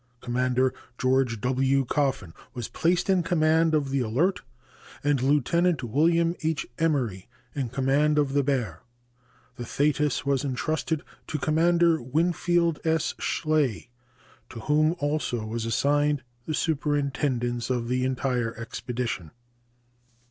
Commander George W. Coffin was placed in command of the Alert and Lieutenant William H. Emory in command of the Bear. The Thetis was intrusted to Commander Winfield S. Schley, to whom also was assigned the superintendence of the entire expedition.